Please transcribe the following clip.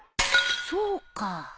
そうか